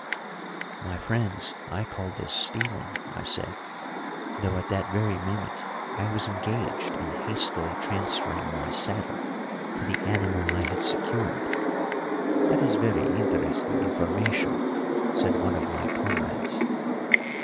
"My friends, I call this stealing," I said, though at that very moment I was engaged in hastily transferring my saddle to the animal I had secured. "That is very interesting information," said one of my comrades.